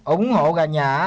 ổng hộ gà nhà